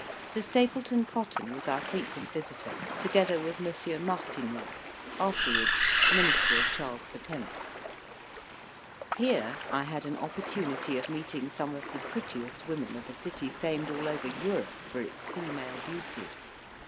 Sir Stapylton Cotton was our frequent visitor, together with M. Martignac, afterwards Minister of Charles the Tenth. Here I had an opportunity of meeting some of the prettiest women of a city famed all over Europe for its female beauty.